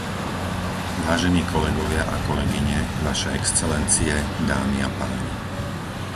Vážení kolegovia a kolegyne, vaše excelencie, dámy a páni.